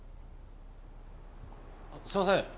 すいません・